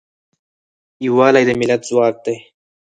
یوالی د ملت ځواک دی.